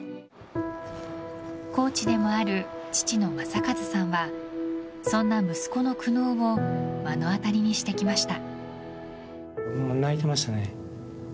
コーチでもある父の正和さんはそんな息子の苦悩を目の当りにしてきました。